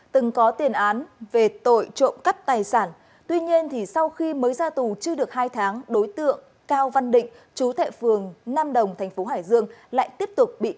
từng có tiền án về tội trộm cắt tài sản tuy nhiên sau khi mới ra tù chưa được hai tháng đối tượng cao văn định chú thệ phường nam đồng tp hcm lại tiếp tục bị cơ quan cảnh sát điều tra công an huyện nam sách hải dương